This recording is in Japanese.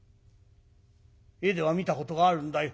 絵では見たことがあるんだよ。